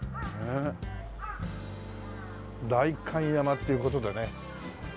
代官山っていう事でね。